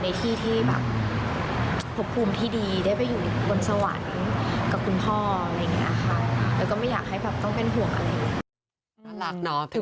ในที่ที่ภูมิที่ดีได้ไปอยู่ในบนสวรรค์กับคุณพ่อแล้วก็ไม่อยากให้ต้องเป็นห่วง